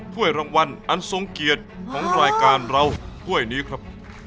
ถ้วยรางวัลอันทรงเกียรติของรายการเราถ้วยนี้ครับ